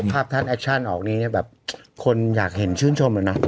ภาพท่านแอคชั่นออกนี้คนอยากเห็นชื่นชมเลยนะ